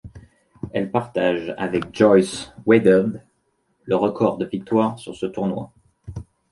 Elle partage avec Joyce Wethered le record de victoires sur ce tournoi.